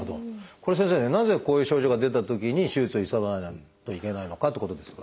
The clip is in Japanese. これ先生ねなぜこういう症状が出たときに手術を急がないといけないのかってことですが。